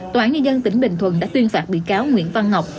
tòa án nhân dân tỉnh bình thuận đã tuyên phạt bị cáo nguyễn văn ngọc